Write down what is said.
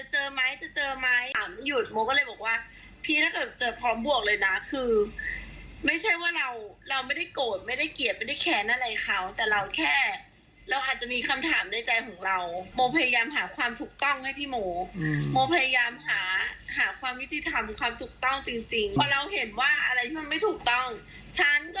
หรือไม่ได้อยากจะฝากค่ะหรือไม่ได้อยากจะฝากค่ะจริงจริงจริงจริงจริงจริงจริงจริงจริงจริงจริงจริงจริงจริงจริงจริงจริงจริงจริงจริงจริงจริงจริงจริงจริงจริงจ